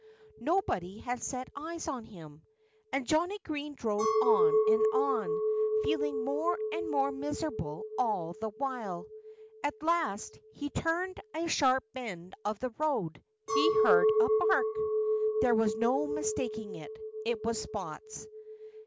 Nobody had set eyes on him. And Johnnie Green drove on and on, feeling more and more miserable all the while. At last, as he turned a sharp bend of the road, he heard a bark. There was no mistaking it. It was Spot's.